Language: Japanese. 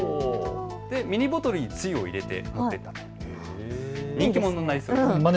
ミニボトルにつゆを入れていったと、人気者になりそうですね。